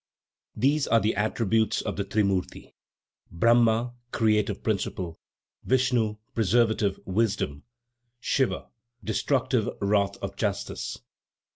These are the attributes of the trimurti; Brahma, creative principle; Vishnu, preservative wisdom; Siva, destructive wrath of justice.